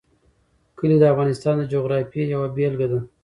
کلي د افغانستان د جغرافیې یوه بېلګه ده.